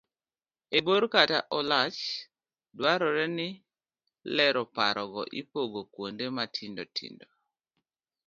e bor kata olach, dwarore ni lero paro go ipogo kuonde matindo tindo